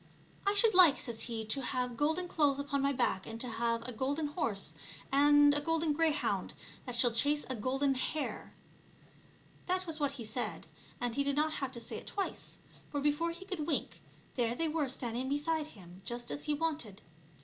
I should like," says he, " to have golden clothes upon my back, and to have a golden horse and a golden greyhound that shall chase a golden hare." That was what he said, and he did not have to say it twice ; for before he could wink there they were standing beside him just as he wanted.